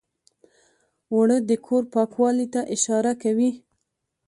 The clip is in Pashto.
اوړه د کور پاکوالي ته اشاره کوي